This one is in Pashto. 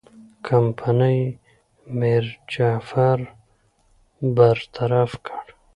کمپنۍ میرجعفر برطرف کړ.